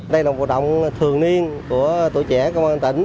đây là một hoạt động thường niên của tuổi trẻ công an tỉnh